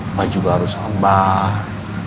bapak juga harus sabar